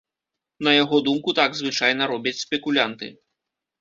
На яго думку, так звычайна робяць спекулянты.